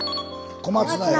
小松菜や。